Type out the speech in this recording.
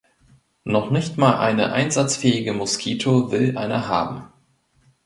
Noch nicht mal eine einsatzfähige Mosquito will einer haben.